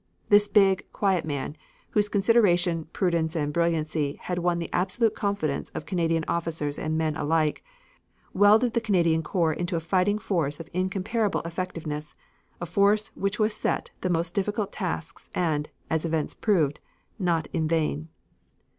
This big, quiet man, whose consideration, prudence and brilliancy had won the absolute confidence of Canadian officers and men alike, welded the Canadian corps into a fighting force of incomparable effectiveness a force which was set the most difficult tasks and, as events proved, not in vain.